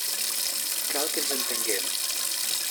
Cal que ens entenguem.